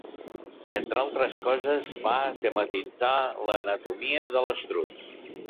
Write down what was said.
Entre altres coses, va tematitzar l'anatomia de l'estruç.